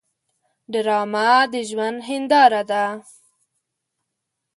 ډرامه د ژوند هنداره ده